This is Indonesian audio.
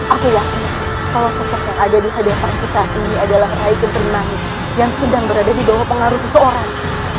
aku yakin kalau sosok yang ada di hadapan aku saat ini adalah rai kenterinanik yang sedang berada di bawah pengaruh seseorang